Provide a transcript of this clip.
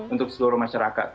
untuk seluruh masyarakat